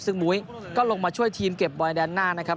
ซึ่งมุ้ยก็ลงมาช่วยทีมเก็บบอยแดนหน้านะครับ